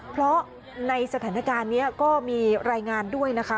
เพราะในสถานการณ์นี้ก็มีรายงานด้วยนะคะ